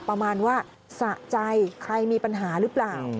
ประมาณว่าสะใจใครมีปัญหาหรือเปล่า